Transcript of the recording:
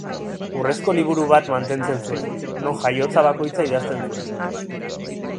Urrezko liburu bat mantentzen zuen, non jaiotza bakoitza idazten zuen.